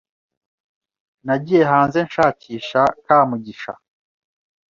Nagiye hanze nshakisha Kamugisha.